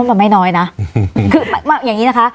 นึกว่ามันน้อยนะหากเป็นอย่างนี้นะคะ